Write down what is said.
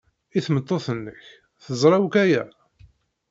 I tmeṭṭut-nnek, teẓra akk aya?